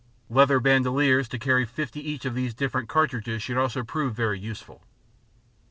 Leather bandoliers to carry 50 each of these different cartridges would also prove very useful.